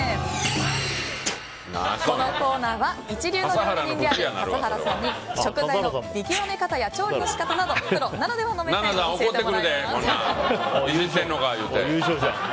このコーナーは一流の料理人である笠原さんに食材の見極め方や調理の仕方などプロならでは目線を教えてもらいます。